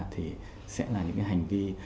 thì sẽ là những hành vi